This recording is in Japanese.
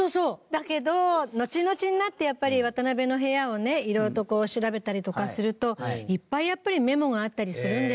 だけどのちのちになってやっぱり渡辺の部屋をね色々とこう調べたりとかするといっぱいやっぱりメモがあったりするんですよ。